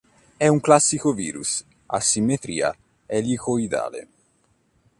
È un classico virus a simmetria elicoidale.